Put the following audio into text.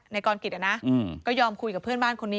กรกิจก็ยอมคุยกับเพื่อนบ้านคนนี้